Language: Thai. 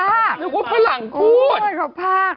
เรนลึกว่าฝรั่งพูด